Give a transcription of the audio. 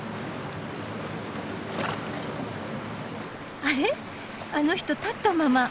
あれあの人立ったまま。